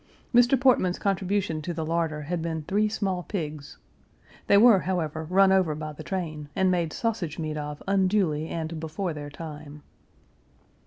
Mr. Portman's contribution to the larder had been three small pigs. They were, however, run over by the train, and made sausage meat of unduly and before their time.